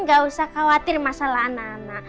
gak usah khawatir masalah anak anak